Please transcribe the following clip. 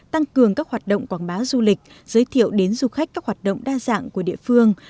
tăng cường các hoạt động quảng bá du lịch giới thiệu đến du khách các hoạt động đa dạng của địa phương